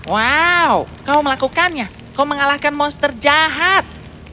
wow kau melakukannya kau mengalahkan monster jahat